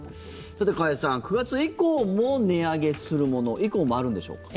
さて、加谷さん９月以降も値上げするもの以降もあるんでしょうか。